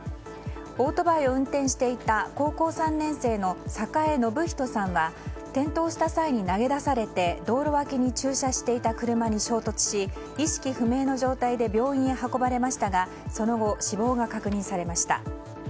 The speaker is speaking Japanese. オートバイを運転していた高校３年生の榮信人さんは転倒した際に投げ出されて道路脇に駐車していた車に衝突し意識不明の状態で病院へ運ばれましたがその後、死亡が確認されました。